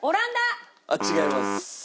あっ違います。